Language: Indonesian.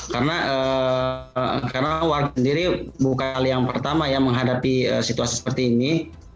karena warga palestina sendiri bukan hal pertama yang menghadapi situasi seperti ini